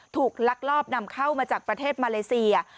ลักลอบนำเข้ามาจากประเทศมาเลเซีย